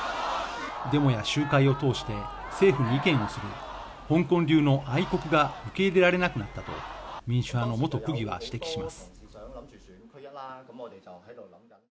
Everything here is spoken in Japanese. デモや集会を通して政府に意見をする香港流の愛国が受け入れられなくなったと民主派の元区議は指摘します